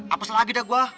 apasal lagi dah gue